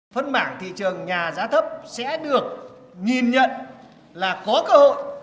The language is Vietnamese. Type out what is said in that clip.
phân mảng thị trường nhà giá thấp sẽ được nhìn nhận là có cơ hội